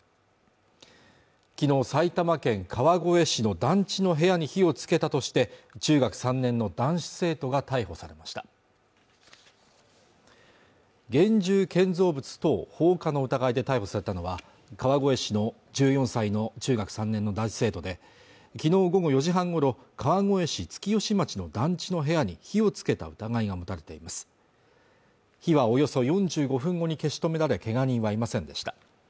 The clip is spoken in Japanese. きのう埼玉県川越市の団地の部屋に火をつけたとして中学３年の男子生徒が逮捕されました現住建造物等放火の疑いで逮捕されたのは川越市の１４歳の中学３年の男子生徒で昨日午後４時半ごろ川越市月吉町の団地の部屋に火をつけた疑いが持たれています火はおよそ４５分後に消し止められけが人はいませんでした